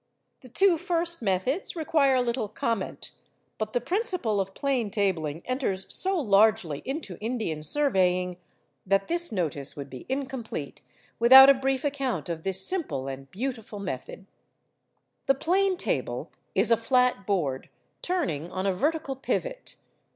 The two first methods require little comment; but the principle of plane tabling enters so largely into Indian surveying, that this notice would be incomplete without a brief account of this simple and beautiful method. The plane table is a flat board turning on a vertical pivot.